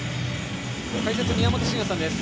解説は宮本慎也さんです。